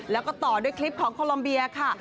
แล้วก็ต่อด้วยคลิปของโคลอมเบียค่ะ